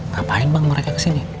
ngapain bang mereka kesini